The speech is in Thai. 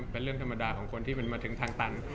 เป็นเรื่องธรรมดาของคนที่มันมาถึงทางตัน